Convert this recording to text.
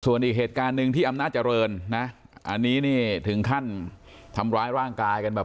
ส่วนอีกเหตุการณ์หนึ่งที่อำนาจเจริญนะอันนี้นี่ถึงขั้นทำร้ายร่างกายกันแบบ